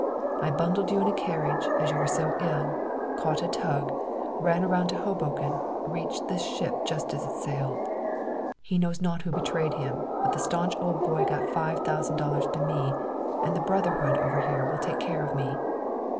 "I bundled you in a carriage, as you were so ill, caught a tug, ran around to Hoboken, reached this ship just as it sailed! He knows not who betrayed him, but the staunch old boy got five thousand dollars to me, and the 'brotherhood' over here will take care of me.